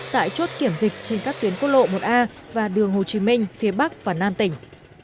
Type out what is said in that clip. tại chốt kiểm dịch trên các tuyến quốc lộ một a và đường hồ chí minh phía bắc và nam tỉnh